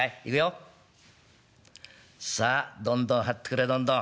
さあどんどん張ってくれどんどん。